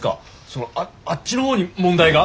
そのああっちの方に問題が？